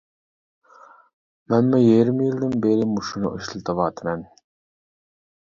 مەنمۇ يېرىم يىلدىن بېرى مۇشۇنى ئىشلىتىۋاتىمەن.